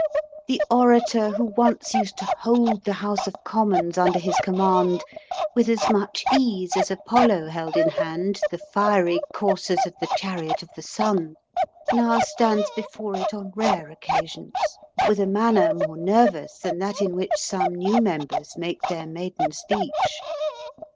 The orator who once used to hold the House of Commons under his command with as much ease as Apollo held in hand the fiery coursers of the chariot of the sun, now stands before it on rare occasions with a manner more nervous than that in which some new members make their maiden speech.